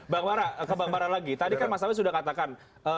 bang bara ke bang bara lagi tadi kan mas awi sudah katakan